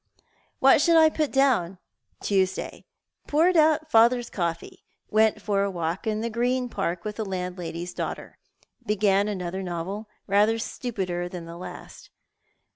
What should I put down ?' Tuesday : Poured out father's coffee. Went for a walk in the Green Park with the landlady's daughter. Began another novel, rather stupider than the last.